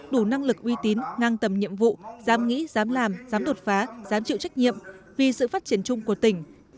đủ năng lực uy tín ngang tầm nhiệm vụ dám nghĩ dám làm dám đột phá dám chịu trách nhiệm vì sự phát triển chung của tỉnh